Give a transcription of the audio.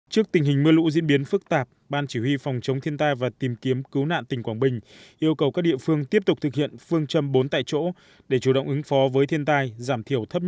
trước tình hình mưa lũ diễn biến phức tạp ban chỉ huy phòng chống thiên tai và tìm kiếm cứu nạn tỉnh quảng bình yêu cầu các địa phương tiếp tục thực hiện phương châm bốn tại chỗ để chủ động ứng phó với thiên tai giảm tiền giảm tiền giảm tiền giảm tiền